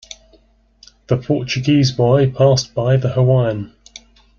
The Portuguese boy passed the Hawaiian.